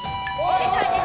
正解です。